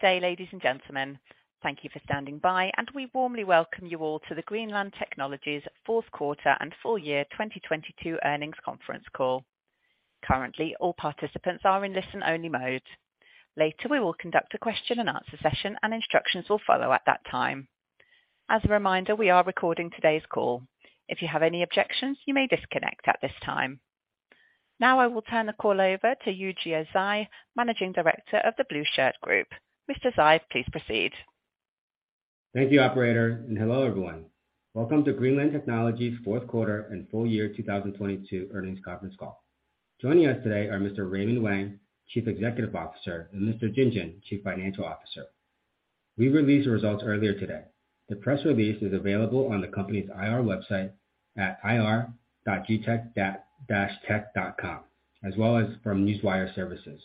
Good day, ladies and gentlemen. Thank you for standing by, and we warmly welcome you all to the Greenland Technologies Fourth Quarter and Full Year 2022 Earnings Conference Call. Currently, all participants are in listen-only mode. Later, we will conduct a question-and-answer session, and instructions will follow at that time. As a reminder, we are recording today's call. If you have any objections, you may disconnect at this time. Now I will turn the call over to Yujia Zhai, Managing Director of The Blueshirt Group. Mr. Zhai, please proceed. Thank you, operator, and hello, everyone. Welcome to Greenland Technologies' fourth quarter and full year 2022 earnings conference call. Joining us today are Mr. Raymond Wang, Chief Executive Officer, and Mr. Jing Jin, Chief Financial Officer. We released the results earlier today. The press release is available on the company's IR website at ir.gtec-tech.com, as well as from Newswire Services.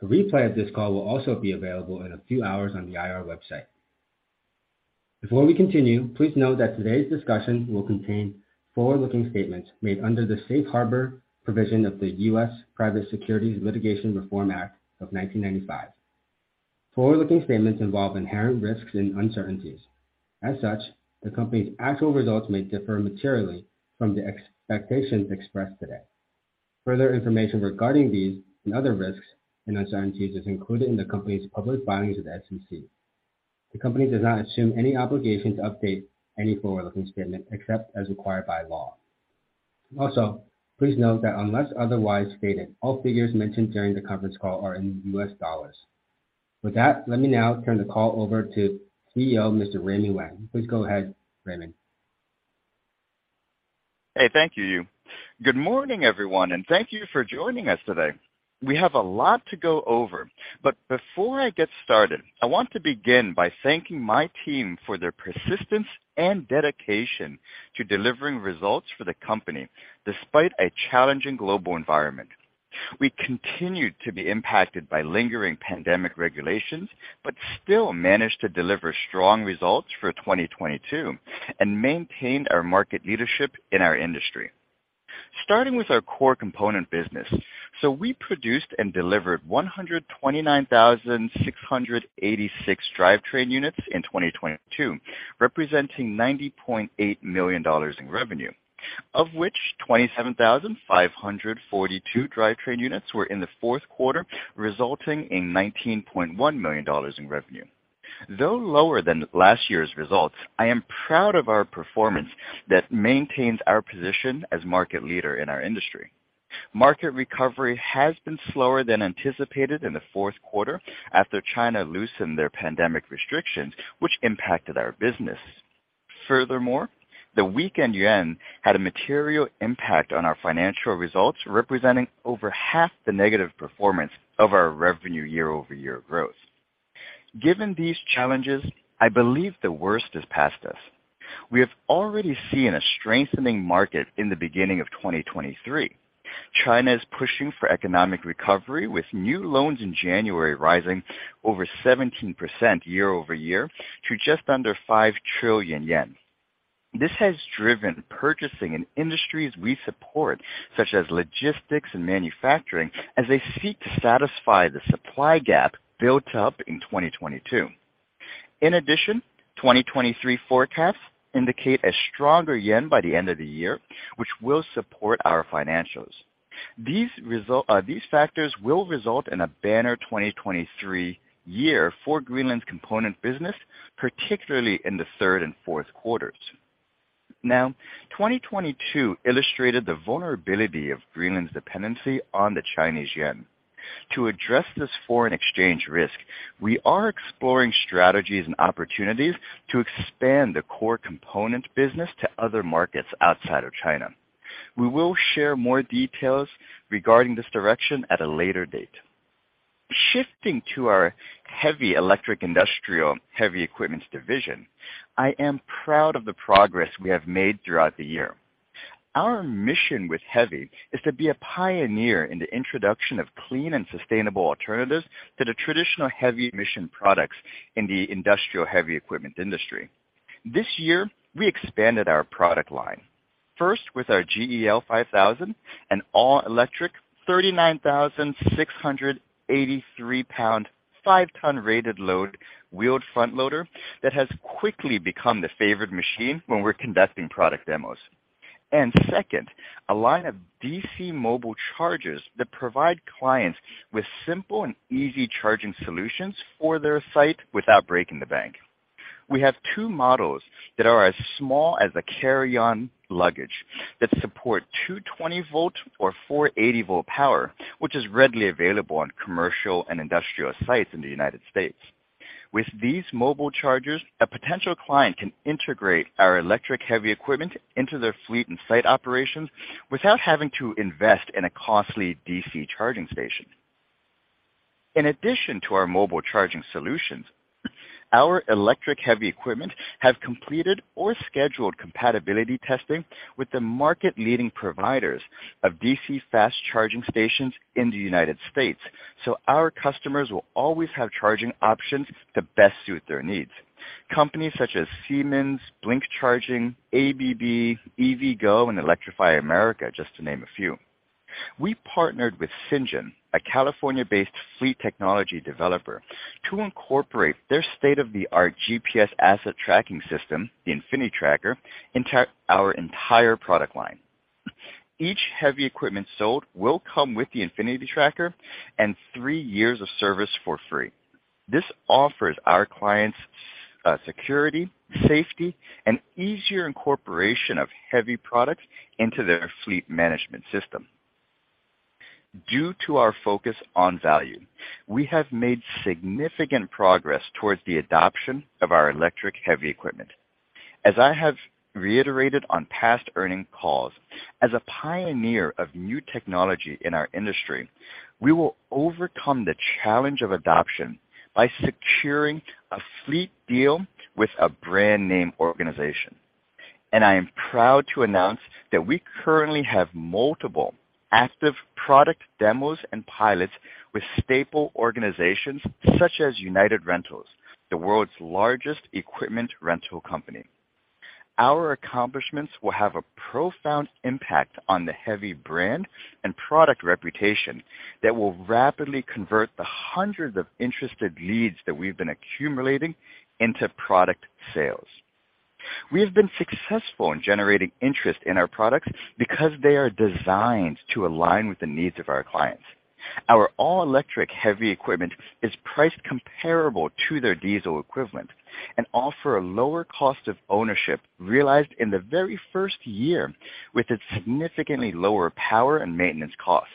The replay of this call will also be available in a few hours on the IR website. Before we continue, please note that today's discussion will contain forward-looking statements made under the Safe Harbor provision of the U.S. Private Securities Litigation Reform Act of 1995. Forward-looking statements involve inherent risks and uncertainties. As such, the company's actual results may differ materially from the expectations expressed today. Further information regarding these and other risks and uncertainties is included in the company's public filings with the SEC. The company does not assume any obligation to update any forward-looking statement except as required by law. Also, please note that unless otherwise stated, all figures mentioned during the conference call are in U.S. dollars. With that, let me now turn the call over to CEO, Mr. Raymond Wang. Please go ahead, Raymond. Hey, thank you, Yu. Good morning, everyone, and thank you for joining us today. We have a lot to go over, but before I get started, I want to begin by thanking my team for their persistence and dedication to delivering results for the company despite a challenging global environment. We continued to be impacted by lingering pandemic regulations, but still managed to deliver strong results for 2022 and maintained our market leadership in our industry. Starting with our core component business. We produced and delivered 129,686 drivetrain units in 2022, representing $90.8 million in revenue, of which 27,542 drivetrain units were in the fourth quarter, resulting in $19.1 million in revenue. Though lower than last year's results, I am proud of our performance that maintains our position as market leader in our industry. Market recovery has been slower than anticipated in the fourth quarter after China loosened their pandemic restrictions, which impacted our business. The weakened yuan had a material impact on our financial results, representing over half the negative performance of our revenue year-over-year growth. Given these challenges, I believe the worst has passed us. We have already seen a strengthening market in the beginning of 2023. China is pushing for economic recovery, with new loans in January rising over 17% year-over-year to just under CNY 5 trillion. This has driven purchasing in industries we support, such as logistics and manufacturing, as they seek to satisfy the supply gap built up in 2022. In addition, 2023 forecasts indicate a stronger yuan by the end of the year, which will support our financials. These factors will result in a banner 2023 year for Greenland's component business, particularly in the third and fourth quarters. 2022 illustrated the vulnerability of Greenland's dependency on the Chinese yuan. To address this foreign exchange risk, we are exploring strategies and opportunities to expand the core component business to other markets outside of China. We will share more details regarding this direction at a later date. Shifting to our heavy electric industrial heavy equipment division, I am proud of the progress we have made throughout the year. Our mission with HEVI is to be a pioneer in the introduction of clean and sustainable alternatives to the traditional heavy-emission products in the industrial heavy equipment industry. This year, we expanded our product line, first with our GEL-5000, an all-electric 39,683-pound, 5-ton rated load wheeled front loader that has quickly become the favored machine when we're conducting product demos. Second, a line of DC mobile chargers that provide clients with simple and easy charging solutions for their site without breaking the bank. We have two models that are as small as a carry-on luggage that support 220 volt or 480 volt power, which is readily available on commercial and industrial sites in the United States. With these mobile chargers, a potential client can integrate our electric heavy equipment into their fleet and site operations without having to invest in a costly DC charging station. In addition to our mobile charging solutions, our electric HEVI equipment have completed or scheduled compatibility testing with the market-leading providers of D.C. fast charging stations in the United States. Our customers will always have charging options to best suit their needs. Companies such as Siemens, Blink Charging, ABB, EVgo, and Electrify America, just to name a few. We partnered with Cyngn, a California-based fleet technology developer, to incorporate their state-of-the-art GPS asset tracking system, the Infinitracker, into our entire product line. Each HEVI equipment sold will come with the Infinitracker and three years of service for free. This offers our clients security, safety, and easier incorporation of HEVI products into their fleet management system. Due to our focus on value, we have made significant progress towards the adoption of our electric HEVI equipment. As I have reiterated on past earning calls, as a pioneer of new technology in our industry, we will overcome the challenge of adoption by securing a fleet deal with a brand-name organization. I am proud to announce that we currently have multiple active product demos and pilots with staple organizations such as United Rentals, the world's largest equipment rental company. Our accomplishments will have a profound impact on the HEVI brand and product reputation that will rapidly convert the hundreds of interested leads that we've been accumulating into product sales. We have been successful in generating interest in our products because they are designed to align with the needs of our clients. Our all-electric HEVI equipment is priced comparable to their diesel equivalent and offer a lower cost of ownership realized in the very first year with its significantly lower power and maintenance costs.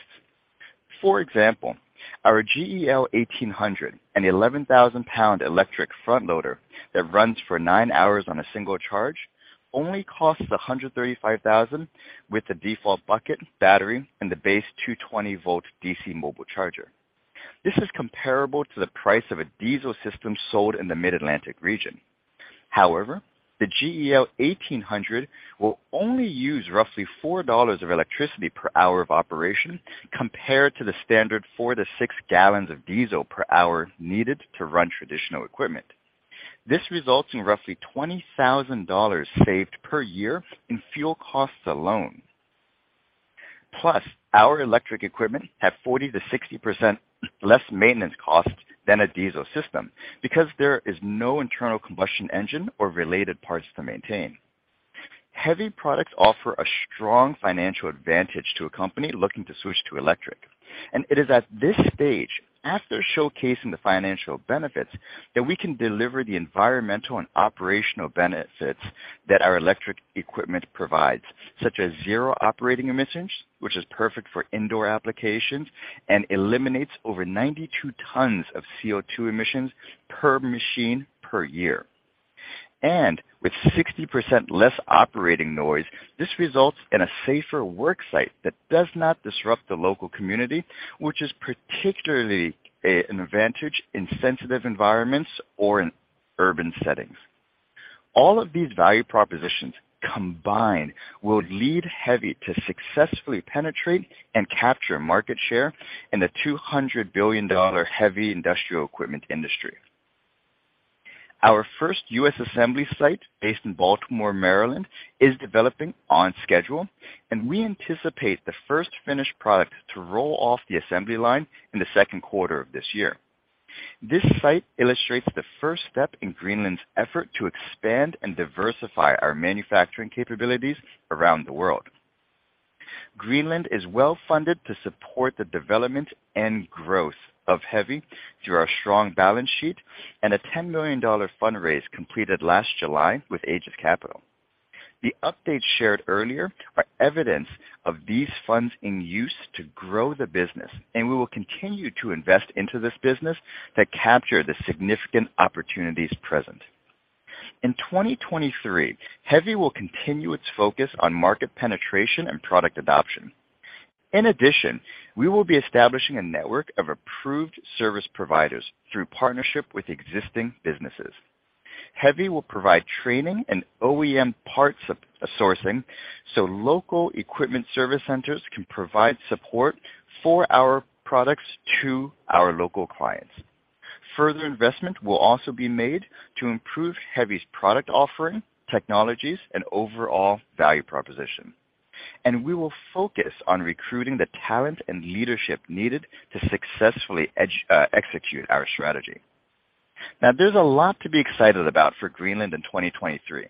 For example, our GEL-1800 and 11,000-pound electric front loader that runs for nine hours on a single charge only costs $135,000 with the default bucket, battery, and the base 220-volt DC mobile charger. This is comparable to the price of a diesel system sold in the Mid-Atlantic region. However, the GEL-1800 will only use roughly $4 of electricity per hour of operation compared to the standard 4-6 gallons of diesel per hour needed to run traditional equipment. This results in roughly $20,000 saved per year in fuel costs alone. Plus, our electric equipment have 40%-60% less maintenance costs than a diesel system because there is no internal combustion engine or related parts to maintain. HEVI products offer a strong financial advantage to a company looking to switch to electric. It is at this stage, after showcasing the financial benefits, that we can deliver the environmental and operational benefits that our electric equipment provides, such as zero operating emissions, which is perfect for indoor applications and eliminates over 92 tons of CO2 emissions per machine per year. With 60% less operating noise, this results in a safer work site that does not disrupt the local community, which is particularly an advantage in sensitive environments or in urban settings. All of these value propositions combined will lead HEVI to successfully penetrate and capture market share in the $200 billion heavy industrial equipment industry. Our first U.S. assembly site, based in Baltimore, Maryland, is developing on schedule, and we anticipate the first finished product to roll off the assembly line in the second quarter of this year. Greenland is well funded to support the development and growth of HEVI through our strong balance sheet and a $10 million fundraise completed last July with Age of Capital. The updates shared earlier are evidence of these funds in use to grow the business. We will continue to invest into this business that capture the significant opportunities present. In 2023, HEVI will continue its focus on market penetration and product adoption. In addition, we will be establishing a network of approved service providers through partnership with existing businesses. HEVI will provide training and OEM parts of sourcing, local equipment service centers can provide support for our products to our local clients. Further investment will also be made to improve HEVI's product offering, technologies, and overall value proposition. We will focus on recruiting the talent and leadership needed to successfully execute our strategy. There's a lot to be excited about for Greenland in 2023.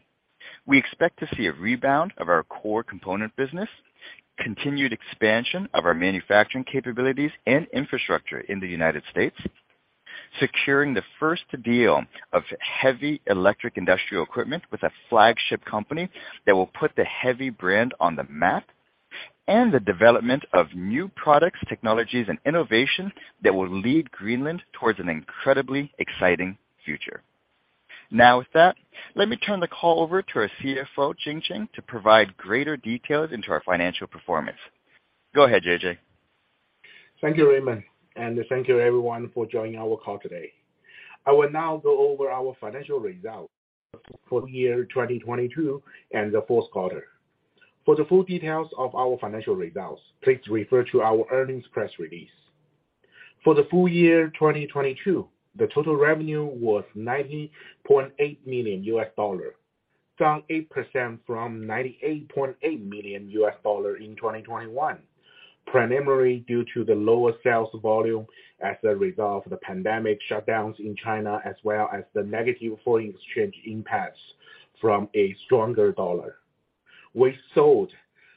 We expect to see a rebound of our core component business, continued expansion of our manufacturing capabilities and infrastructure in the United States, securing the first deal of HEVI electric industrial equipment with a flagship company that will put the HEVI brand on the map, and the development of new products, technologies, and innovation that will lead Greenland towards an incredibly exciting future. With that, let me turn the call over to our CFO, Jing Jin, to provide greater details into our financial performance. Go ahead, JJ. Thank you, Raymond. Thank you everyone for joining our call today. I will now go over our Financial Results for Full Year 2022 and the Fourth Quarter. For the full details of our financial results, please refer to our earnings press release. For the full year 2022, the total revenue was $90.8 million, down 8% from $98.8 million in 2021, primarily due to the lower sales volume as a result of the pandemic shutdowns in China, as well as the negative foreign exchange impacts from a stronger dollar. We sold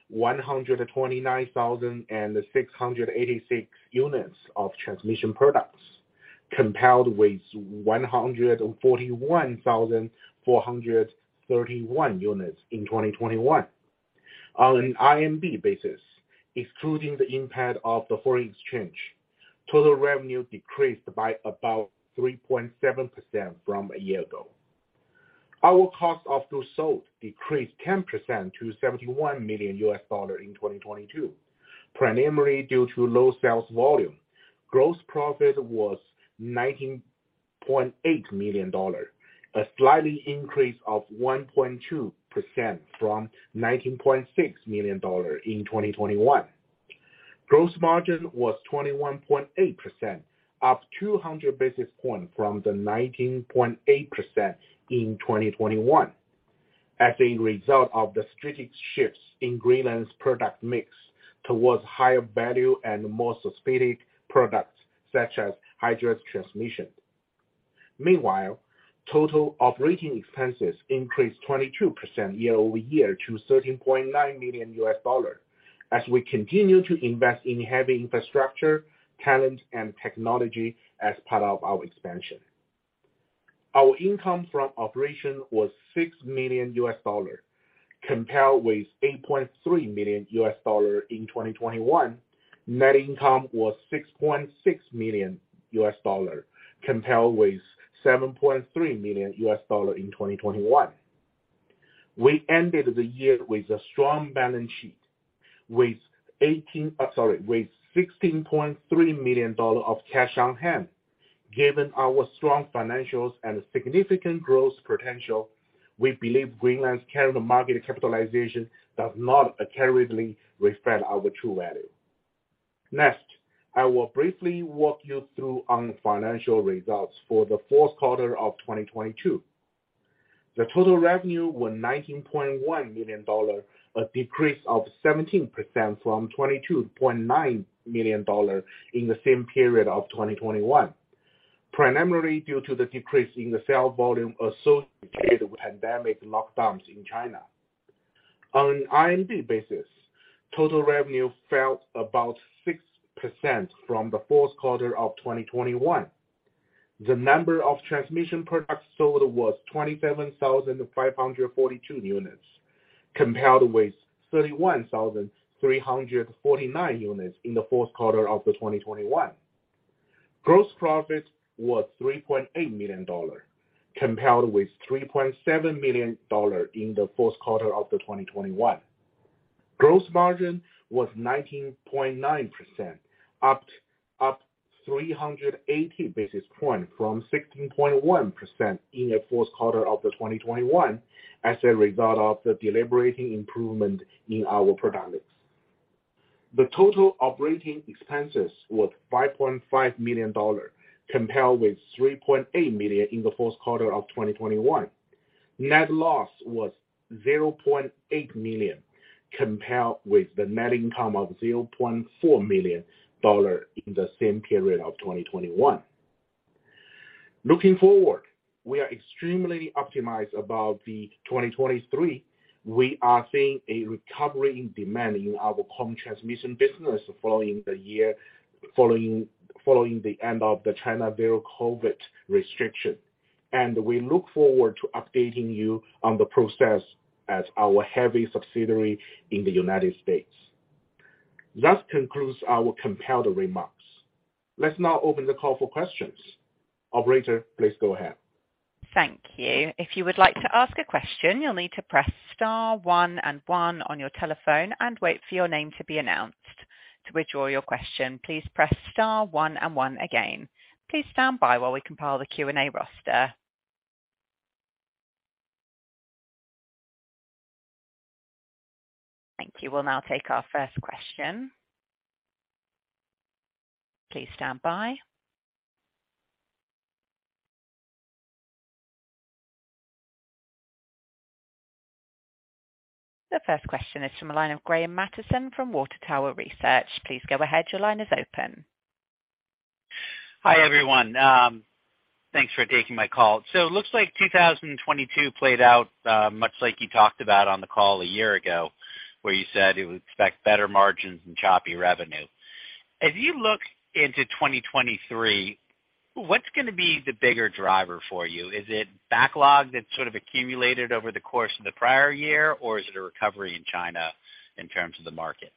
129,686 units of transmission products compared with 141,431 units in 2021. On an RMB basis, excluding the impact of the foreign exchange, total revenue decreased by about 3.7% from a year ago. Our cost of goods sold decreased 10% to $71 million in 2022, primarily due to low sales volume. Gross profit was $19.8 million, a slight increase of 1.2% from $19.6 million in 2021. Gross margin was 21.8%, up 200 basis points from the 19.8% in 2021 as a result of the strategic shifts in Greenland's product mix towards higher value and more specific products such as hydraulic transmission. Total operating expenses increased 22% year-over-year to $13.9 million as we continue to invest in heavy infrastructure, talent, and technology as part of our expansion. Our income from operations was $6 million compared with $8.3 million in 2021. Net income was $6.6 million compared with $7.3 million in 2021. We ended the year with a strong balance sheet with $16.3 million of cash on hand. Given our strong financials and significant growth potential, we believe Greenland's current market capitalization does not accurately reflect our true value. Next, I will briefly walk you through on the financial results for the fourth quarter of 2022. The total revenue was $19.1 million, a decrease of 17% from $22.9 million in the same period of 2021, primarily due to the decrease in the sales volume associated with pandemic lockdowns in China. On an RMB basis, total revenue fell about 6% from the fourth quarter of 2021. The number of transmission products sold was 27,542 units compared with 31,349 units in the fourth quarter of 2021. Gross profit was $3.8 million compared with $3.7 million in the fourth quarter of 2021. Gross margin was 19.9%, up 380 basis points from 16.1% in the fourth quarter of 2021 as a result of the deliberating improvement in our product mix. The total operating expenses was $5.5 million compared with $3.8 million in the fourth quarter of 2021. Net loss was $0.8 million, compared with the net income of $0.4 million in the same period of 2021. Looking forward, we are extremely optimized about 2023. We are seeing a recovery in demand in our drivetrain business following the end of the coronavirus COVID-19 restrictions. We look forward to updating you on the process as our HEVI subsidiary in the United States. That concludes our prepared remarks. Let's now open the call for questions. Operator, please go ahead. Thank you. If you would like to ask a question, you'll need to press star one and one on your telephone and wait for your name to be announced. To withdraw your question, please press star one and one again. Please stand by while we compile the Q&A roster. Thank you. We'll now take our first question. Please stand by. The first question is from the line of Graham Mattison from Water Tower Research. Please go ahead. Your line is open. Hi, everyone. Thanks for taking my call. It looks like 2022 played out much like you talked about on the call a year ago, where you said you expect better margins and choppy revenue. As you look into 2023, what's gonna be the bigger driver for you? Is it backlog that sort of accumulated over the course of the prior year, or is it a recovery in China in terms of the market?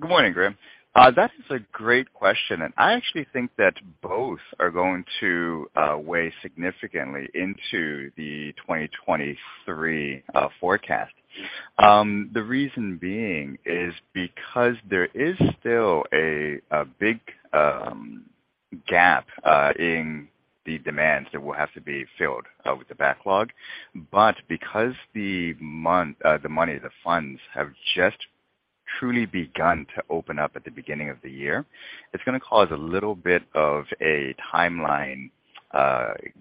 Good morning, Graham. That is a great question, and I actually think that both are going to weigh significantly into the 2023 forecast. The reason being is because there is still a big gap in the demands that will have to be filled with the backlog. Because the money, the funds have just truly begun to open up at the beginning of the year, it's gonna cause a little bit of a timeline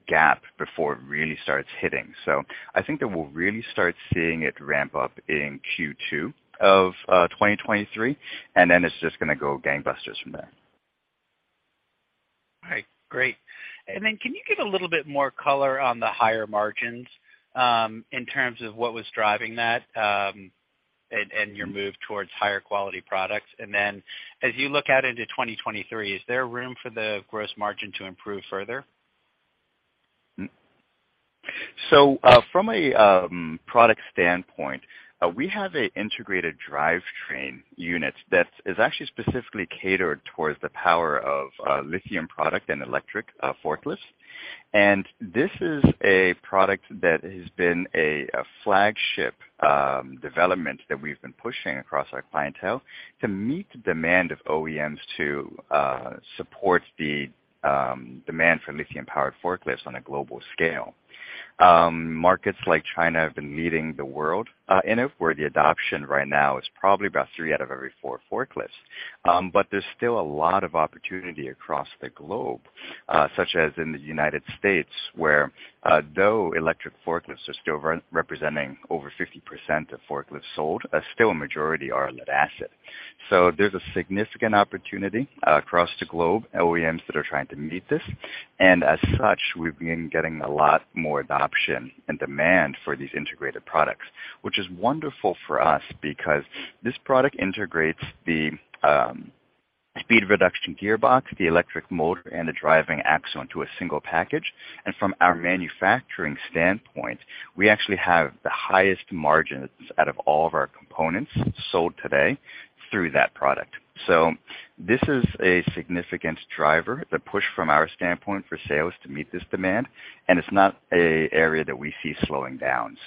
gap before it really starts hitting. I think that we'll really start seeing it ramp up in Q2 of 2023, and then it's just gonna go gangbusters from there. All right, great. Can you give a little bit more color on the higher margins, in terms of what was driving that, and your move towards higher quality products? As you look out into 2023, is there room for the gross margin to improve further? From a product standpoint, we have a integrated drivetrain unit that is actually specifically catered towards the power of lithium product and electric forklifts. This is a product that has been a flagship development that we've been pushing across our clientele to meet the demand of OEMs to support the demand for lithium-powered forklifts on a global scale. Markets like China have been leading the world in it, where the adoption right now is probably about 3 out of every 4 forklifts. There's still a lot of opportunity across the globe, such as in the United States, where though electric forklifts are still representing over 50% of forklifts sold, still a majority are lead acid. There's a significant opportunity across the globe, OEMs that are trying to meet this. We've been getting a lot more adoption and demand for these integrated products, which is wonderful for us because this product integrates the speed reduction gearbox, the electric motor, and the driving axle into a single package. We actually have the highest margins out of all of our components sold today through that product. This is a significant driver, the push from our standpoint for sales to meet this demand, and it's not an area that we see slowing down.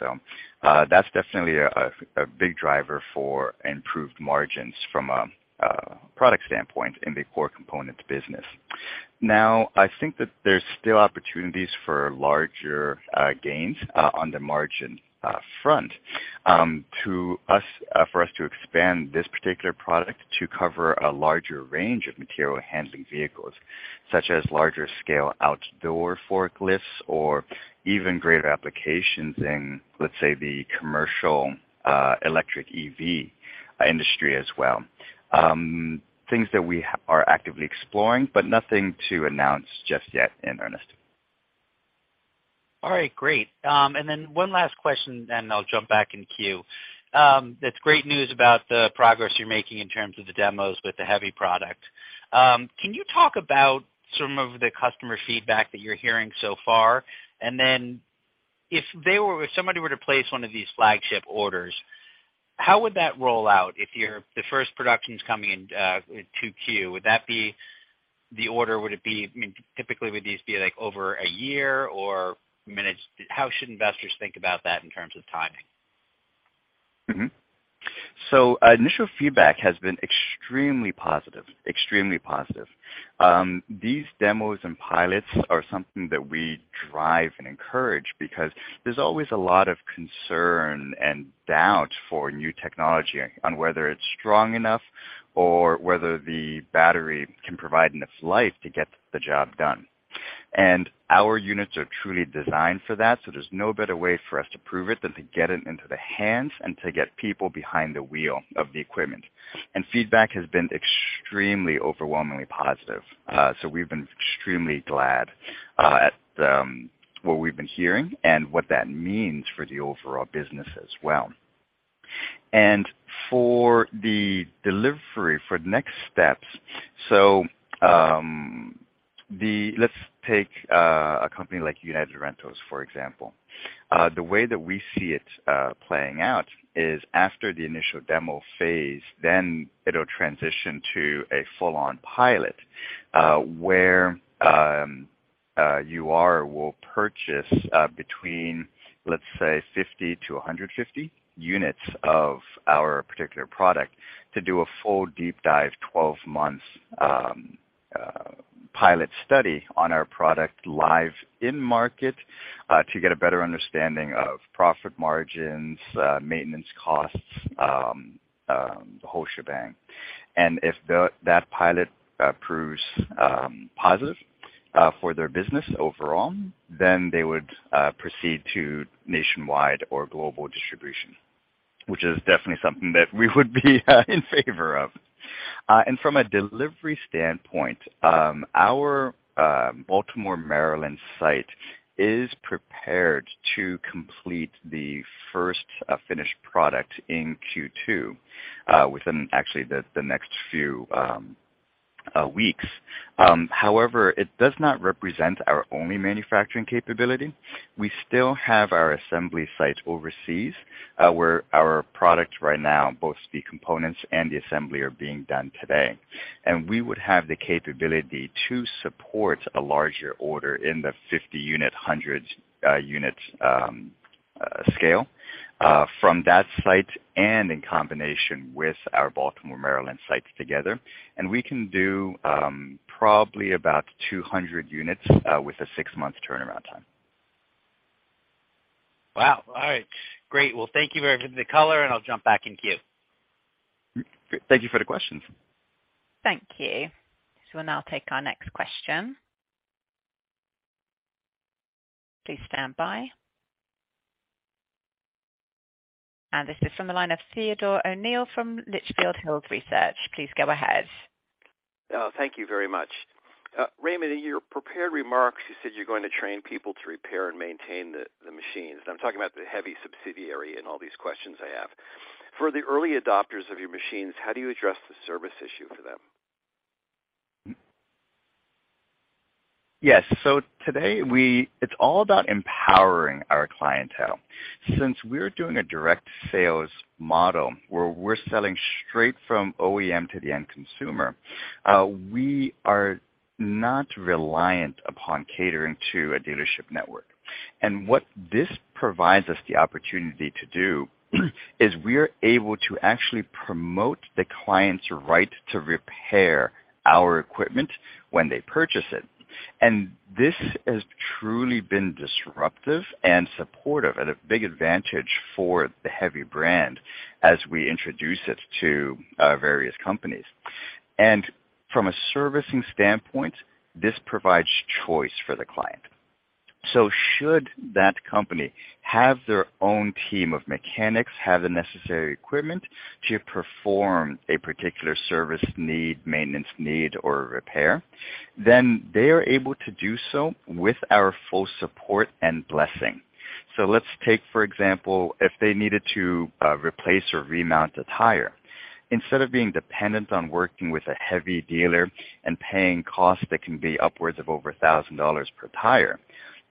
That's definitely a big driver for improved margins from a product standpoint in the core components business. I think that there's still opportunities for larger gains on the margin front for us to expand this particular product to cover a larger range of material handling vehicles, such as larger-scale outdoor forklifts or even greater applications in, let's say, the commercial electric EV industry as well. Things that we are actively exploring, but nothing to announce just yet in earnest. All right, great. One last question, and then I'll jump back in queue. That's great news about the progress you're making in terms of the demos with the HEVI product. Can you talk about some of the customer feedback that you're hearing so far? If somebody were to place one of these flagship orders, how would that roll out if the first production's coming in 2Q? Would that be the order? Typically, would these be over a year or managed? How should investors think about that in terms of timing? Initial feedback has been extremely positive, extremely positive. These demos and pilots are something that we drive and encourage because there's always a lot of concern and doubt for new technology on whether it's strong enough or whether the battery can provide enough life to get the job done. Our units are truly designed for that, so there's no better way for us to prove it than to get it into the hands and to get people behind the wheel of the equipment. Feedback has been extremely overwhelmingly positive. We've been extremely glad at what we've been hearing and what that means for the overall business as well. For the delivery for the next steps, let's take a company like United Rentals, for example. The way that we see it playing out is after the initial demo phase, then it'll transition to a full-on pilot, where UR will purchase between, let's say, 50-150 units of our particular product to do a full deep dive 12 months pilot study on our product live in market to get a better understanding of profit margins, maintenance costs, the whole shebang. If that pilot proves positive for their business overall, then they would proceed to nationwide or global distribution, which is definitely something that we would be in favor of. From a delivery standpoint, our Baltimore, Maryland site is prepared to complete the first finished product in Q2 within actually the next few weeks. However, it does not represent our only manufacturing capability. We still have our assembly sites overseas, where our product right now, both the components and the assembly are being done today. We would have the capability to support a larger order in the 50 unit, hundreds, units, Scale, from that site and in combination with our Baltimore, Maryland, sites together. We can do, probably about 200 units, with a 6-month turnaround time. Wow. All right. Great. Well, thank you very for the color, and I'll jump back in queue. Thank you for the questions. Thank you. We'll now take our next question. Please stand by. This is from the line of Theodore O'Neill from Litchfield Hills Research. Please go ahead. Thank you very much. Raymond, in your prepared remarks, you said you're going to train people to repair and maintain the machines. I'm talking about the HEVI subsidiary in all these questions I have. For the early adopters of your machines, how do you address the service issue for them? Yes. It's all about empowering our clientele. Since we're doing a direct sales model where we're selling straight from OEM to the end consumer, we are not reliant upon catering to a dealership network. What this provides us the opportunity to do is we're able to actually promote the client's right to repair our equipment when they purchase it. This has truly been disruptive and supportive and a big advantage for the HEVI brand as we introduce it to various companies. From a servicing standpoint, this provides choice for the client. Should that company have their own team of mechanics, have the necessary equipment to perform a particular service need, maintenance need, or repair, then they are able to do so with our full support and blessing. Let's take, for example, if they needed to replace or remount a tire. Instead of being dependent on working with a HEVI dealer and paying costs that can be upwards of over $1,000 per tire,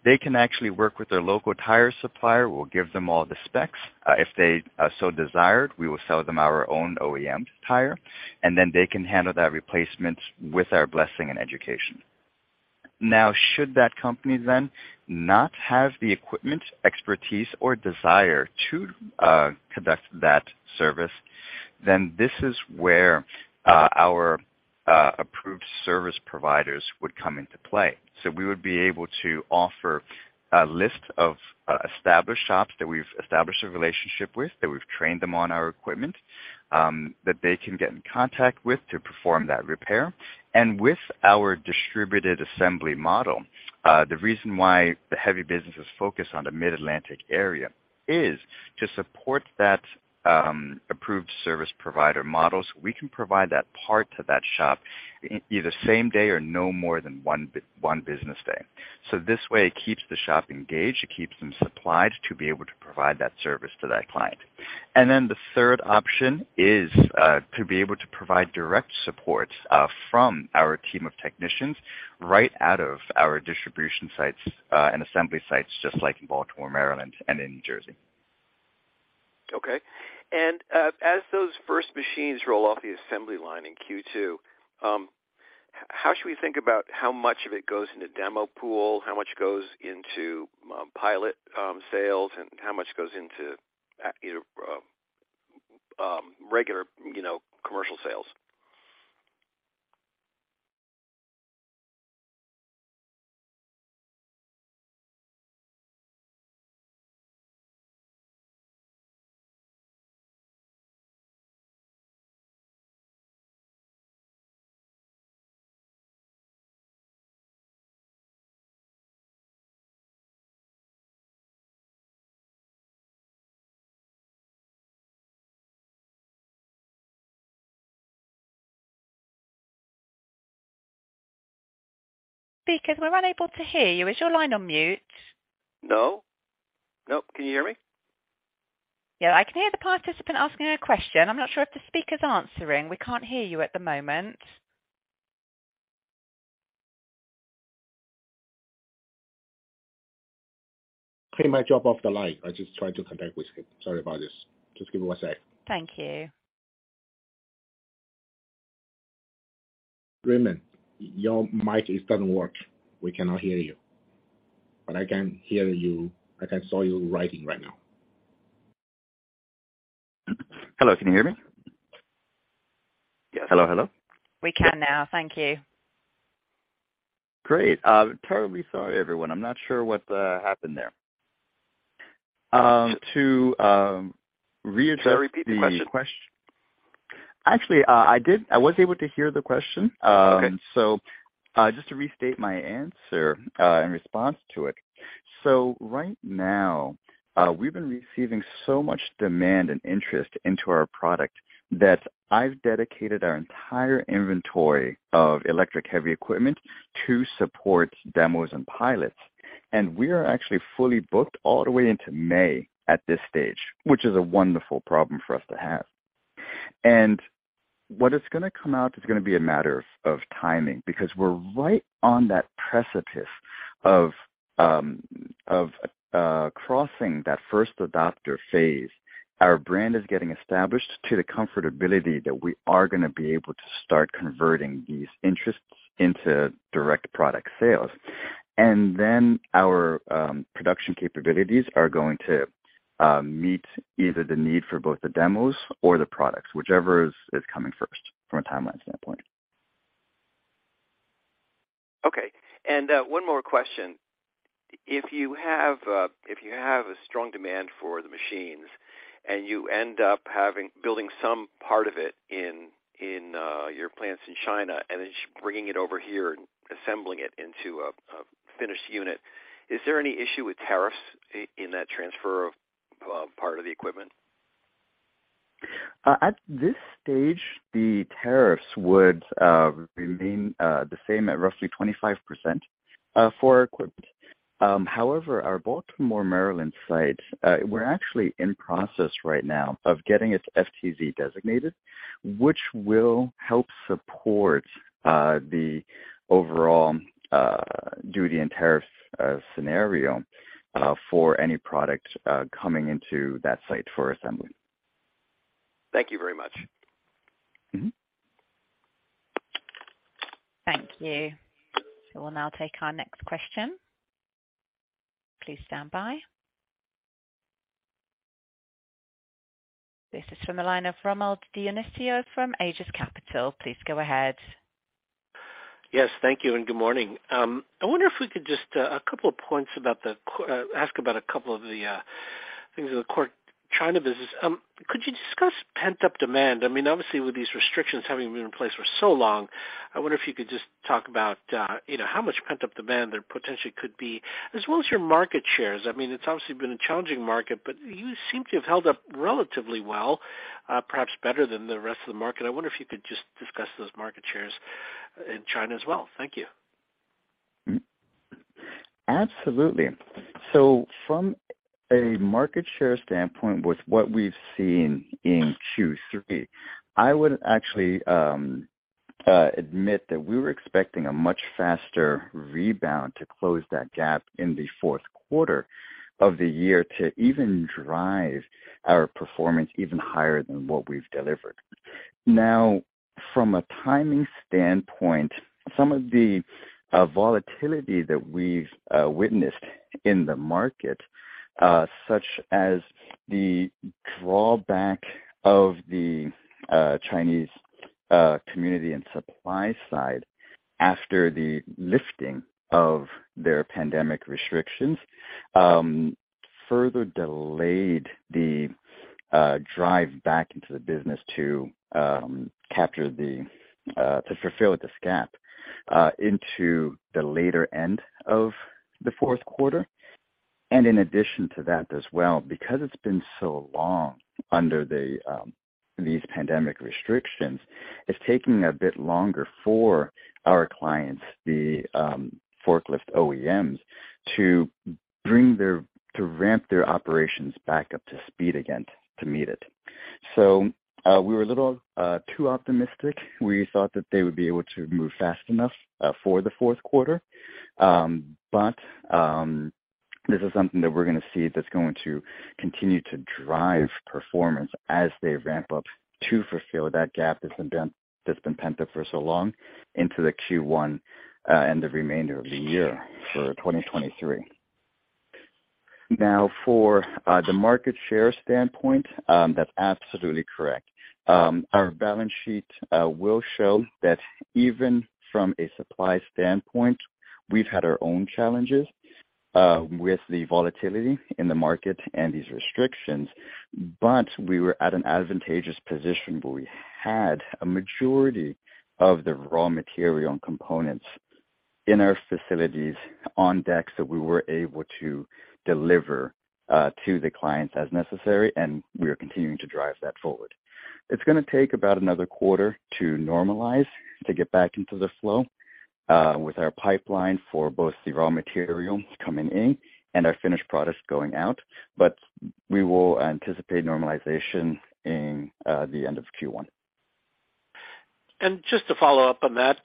they can actually work with their local tire supplier. We'll give them all the specs. If they so desired, we will sell them our own OEM tire, they can handle that replacement with our blessing and education. Should that company not have the equipment, expertise, or desire to conduct that service, this is where our approved service providers would come into play. We would be able to offer a list of established shops that we've established a relationship with, that we've trained them on our equipment, that they can get in contact with to perform that repair. With our distributed assembly model, the reason why the HEVI business is focused on the Mid-Atlantic area is to support that approved service provider models. We can provide that part to that shop either same day or no more than one business day. This way it keeps the shop engaged, it keeps them supplied to be able to provide that service to that client. The third option is to be able to provide direct support from our team of technicians right out of our distribution sites and assembly sites, just like in Baltimore, Maryland, and in New Jersey As those first machines roll off the assembly line in Q2, how should we think about how much of it goes into demo pool, how much goes into pilot sales, and how much goes into regular commercial sales? Shall I repeat the question? Actually, I did. I was able to hear the question. Just to restate my answer in response to it. Right now, we've been receiving so much demand and interest into our product that I've dedicated our entire inventory of electric heavy equipment to support demos and pilots. We are actually fully booked all the way into May at this stage, which is a wonderful problem for us to have. What is gonna come out is gonna be a matter of timing because we're right on that precipice of crossing that first adopter phase. Our brand is getting established to the comfortability that we are gonna be able to start converting these interests into direct product sales. Our production capabilities are going to meet either the need for both the demos or the products, whichever is coming first from a timeline standpoint. One more question. If you have a strong demand for the machines and you end up building some part of it in your plants in China and then bringing it over here and assembling it into a finished unit, is there any issue with tariffs in that transfer part of the equipment? At this stage, the tariffs would remain the same at roughly 25% for our equipment. However, our Baltimore, Maryland site, we're actually in process right now of getting its FTZ designated, which will help support the overall duty and tariff scenario for any product coming into that site for assembly. Thank you very much. Thank you. We'll now take our next question. Please stand by. This is from the line of Rommel Dionisio from Aegis Capital. Please go ahead. Yes, thank you and good morning. I wonder if we could just, a couple of points about the ask about a couple of the things in the core China business. Could you discuss pent-up demand? Obviously, with these restrictions having been in place for so long, I wonder if you could just talk about how much pent-up demand there potentially could be, as well as your market shares. It's obviously been a challenging market, but you seem to have held up relatively well, perhaps better than the rest of the market. I wonder if you could just discuss those market shares in China as well. Thank you. Absolutely. From a market share standpoint, with what we've seen in Q3, I would actually admit that we were expecting a much faster rebound to close that gap in the fourth quarter of the year to even drive our performance even higher than what we've delivered. From a timing standpoint, some of the volatility that we've witnessed in the market, such as the drawback of the Chinese community and supply side after the lifting of their pandemic restrictions, further delayed the drive back into the business to capture the to fulfill with this gap into the later end of the fourth quarter. In addition to that as well, because it's been so long under these pandemic restrictions, it's taking a bit longer for our clients, the forklift OEMs, to ramp their operations back up to speed again to meet it. We were a little too optimistic. We thought that they would be able to move fast enough for the fourth quarter. This is something that we're gonna see that's going to continue to drive performance as they ramp up to fulfill that gap that's been pent up for so long into the Q1 and the remainder of the year for 2023. Now for the market share standpoint, that's absolutely correct. Our balance sheet will show that even from a supply standpoint, we've had our own challenges with the volatility in the market and these restrictions, but we were at an advantageous position where we had a majority of the raw material and components in our facilities on decks that we were able to deliver to the clients as necessary, and we are continuing to drive that forward. It's gonna take about another quarter to normalize, to get back into the flow with our pipeline for both the raw material coming in and our finished products going out, but we will anticipate normalization in the end of Q1. Just to follow up on that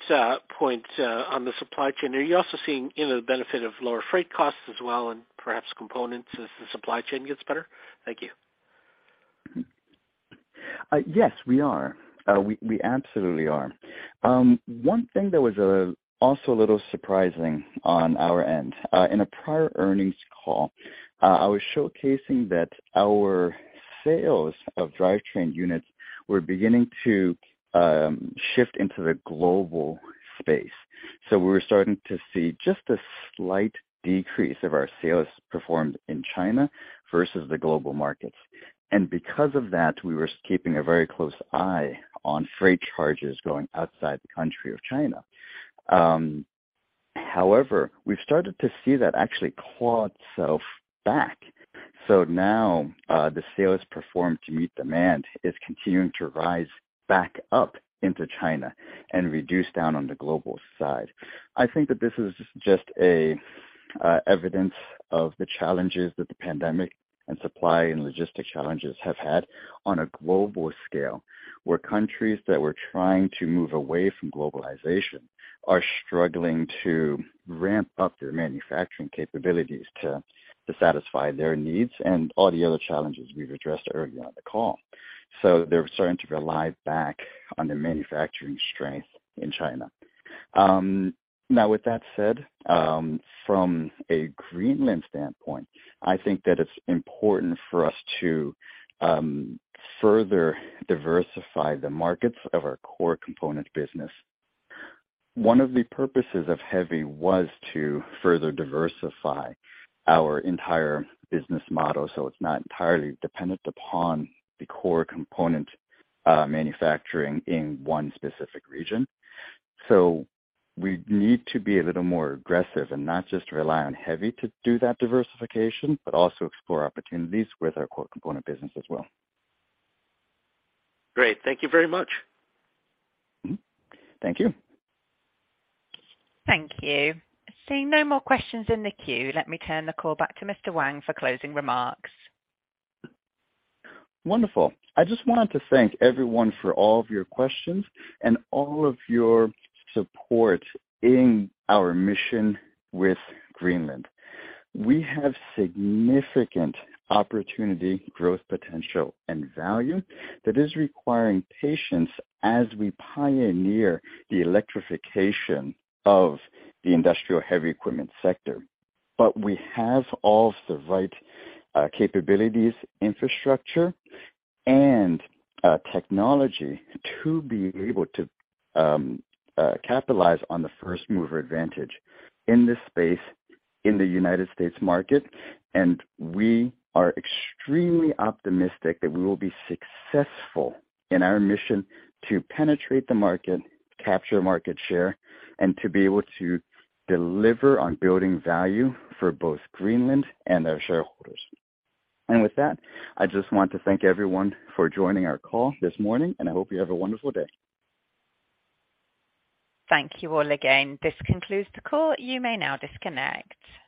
point on the supply chain, are you also seeing any of the benefit of lower freight costs as well and perhaps components as the supply chain gets better? Thank you. Yes, we are. We absolutely are. One thing that was also a little surprising on our end. In a prior earnings call, I was showcasing that our sales of drivetrain units were beginning to shift into the global space. We were starting to see just a slight decrease of our sales performed in China versus the global markets. Because of that, we were keeping a very close eye on freight charges going outside the country of China. However, we've started to see that actually claw itself back. Now, the sales performed to meet demand is continuing to rise back up into China and reduce down on the global side. I think that this is just a evidence of the challenges that the pandemic and supply and logistics challenges have had on a global scale, where countries that were trying to move away from globalization are struggling to ramp up their manufacturing capabilities to satisfy their needs and all the other challenges we've addressed earlier on the call. They're starting to rely back on the manufacturing strength in China. With that said, from a Greenland standpoint, I think that it's important for us to further diversify the markets of our core component business. One of the purposes of HEVI was to further diversify our entire business model, so it's not entirely dependent upon the core component manufacturing in one specific region. We need to be a little more aggressive and not just rely on HEVI to do that diversification, but also explore opportunities with our core component business as well. Great. Thank you very much. Thank you. Thank you. Seeing no more questions in the queue, let me turn the call back to Mr. Wang for closing remarks. Wonderful. I just wanted to thank everyone for all of your questions and all of your support in our mission with Greenland. We have significant opportunity, growth, potential, and value that is requiring patience as we pioneer the electrification of the industrial heavy equipment sector. We have all the right capabilities, infrastructure, and technology to be able to capitalize on the first-mover advantage in this space in the United States market. We are extremely optimistic that we will be successful in our mission to penetrate the market, capture market share, and to be able to deliver on building value for both Greenland and their shareholders. With that, I just want to thank everyone for joining our call this morning, and I hope you have a wonderful day. Thank you all again. This concludes the call. You may now disconnect.